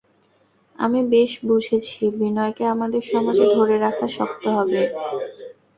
আমি বেশ বুঝেছি বিনয়কে আমাদের সমাজে ধরে রাখা শক্ত হবে।